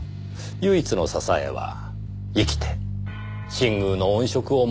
唯一の支えは生きて新宮の音色を守る事。